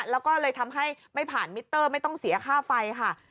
แล้วก็เลยทำให้ไม่ผ่านมิเตอร์ไม่ต้องเสียค่าไฟค่ะ